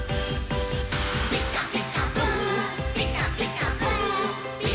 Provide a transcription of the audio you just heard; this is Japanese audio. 「ピカピカブ！ピカピカブ！」